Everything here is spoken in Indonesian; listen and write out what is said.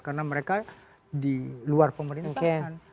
karena mereka di luar pemerintahan